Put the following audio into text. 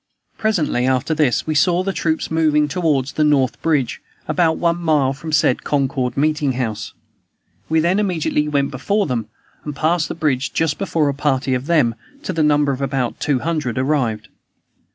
Presently after this we saw the troops moving toward the north bridge, about one mile from the said Concord meeting house. We then immediately went before them and passed the bridge just before a party of them, to the number of about two hundred, arrived.